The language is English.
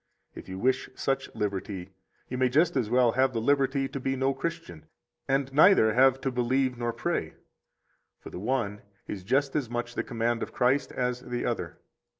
if you wish such liberty, you may just as well have the liberty to be no Christian, and neither have to believe nor pray; for the one is just as much the command of Christ as the other.